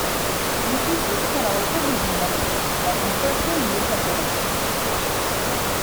Mutations can also be generated by insertional mutagenesis.